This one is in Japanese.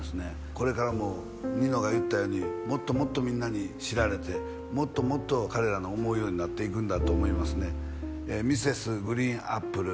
これからもニノが言ったようにもっともっとみんなに知られてもっともっと彼らの思うようになっていくんだと思いますねＭｒｓ．ＧＲＥＥＮＡＰＰＬＥ